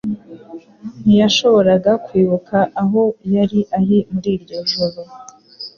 ntiyashoboraga kwibuka aho yari ari muri iryo joro.